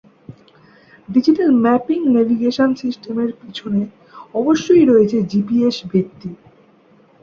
Digital mapping navigation সিস্টেমের পেছনে অবশ্যই রয়েছে জিপিএস ভিত্তি।